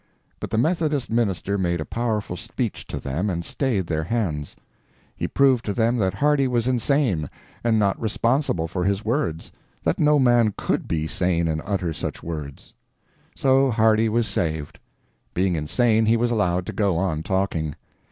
But the Methodist minister made a powerful speech to them and stayed their hands. He proved to them that Hardy was insane and not responsible for his words; that no man _could _be sane and utter such words. So Hardy was saved. Being insane, he was allowed to go on talking.